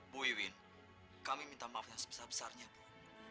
bu iwin kami minta maaf yang sebesar besarnya bu